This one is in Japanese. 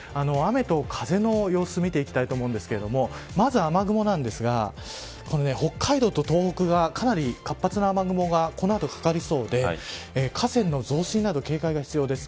雨の様子見ていきたいと思うんですけどまず雨雲なんですが北海道と東北がかなり活発な雨雲がこの後かかりそうで河川の増水など警戒が必要です。